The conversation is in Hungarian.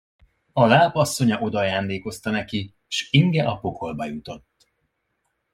A láp asszonya odaajándékozta neki, s Inge a pokolba jutott.